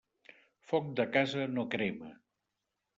Foc de casa no crema.